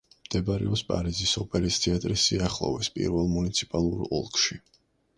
მდებარეობს პარიზის ოპერის თეატრის სიახლოვეს პირველ მუნიციპალურ ოლქში.